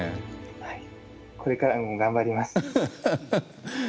はいこれからも頑張ります。